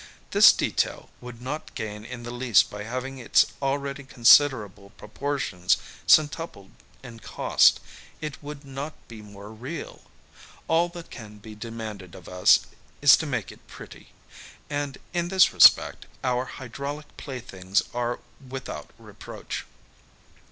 This detail would not gain in the least by having its already considerable pro portions centupled in cost; it would not be more real. All that can be demanded of us is to make it pretty ; and, in this respect, our hydraulic playthings are without reproach.